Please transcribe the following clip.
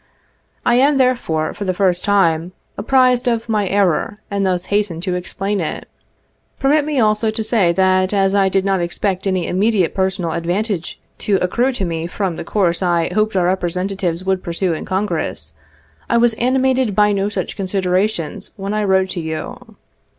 I am. therefore, for the first time, apprised of my error and thus hasten to explain it. Permit me also to say that as I did not expect any immediate personal advantage to accrue to me from the course I hoped our representatives would pursue in Congress, I was animated by no such considerations when I wrote to you.